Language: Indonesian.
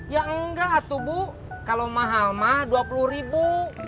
ya enggak tuh bu kalau mahal mah dua puluh ribu